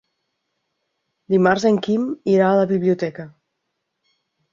Dimarts en Quim irà a la biblioteca.